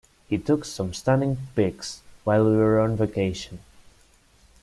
He took some stunning pics while we were on vacation.